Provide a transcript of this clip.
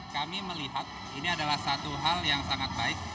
kami melihat ini adalah satu hal yang sangat baik